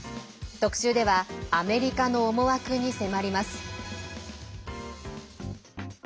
特集ではアメリカの思惑に迫ります。